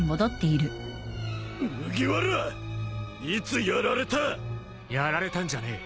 いつやられた！？やられたんじゃねえ